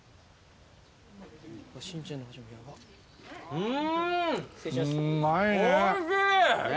うん！